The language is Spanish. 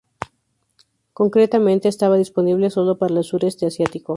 Concreta mente estaba disponible solo para el sureste asiático.